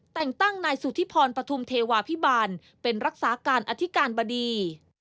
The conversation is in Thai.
แต่งตั้งนายสุธิพรปฐุมเทวาพิบาลเป็นรักษาการอธิการบดี